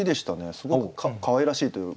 すごくかわいらしいというか。